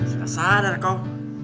sudah sadar kau